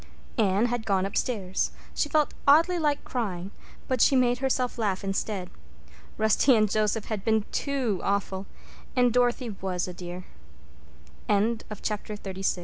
Anne had gone upstairs. She felt oddly like crying. But she made herself laugh instead. Rusty and Joseph had been too awful! And Dorothy was a dear. Chapter XXXVII Full fledged B.